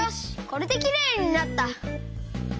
これできれいになった！